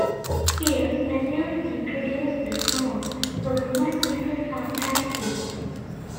Here, Matthews introduced the song "A Woman Is a Sometime Thing".